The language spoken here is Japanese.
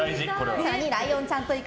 更にライオンちゃんと行く！